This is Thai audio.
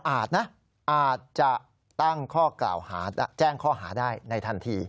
อาจจะตั้งข้อกล่าวหาแจ้งข้อหาได้ในทันที